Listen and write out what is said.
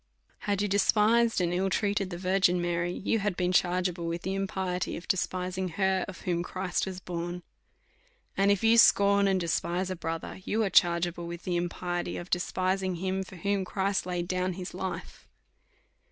Had you despised and ill treated the Virgin Mary, you had been chargeable with the impiety of despising her, of whom Christ was born. And if you scorn and despise a brother, you are chargeable with the impiety of despising him, for whom Christ laid down his life.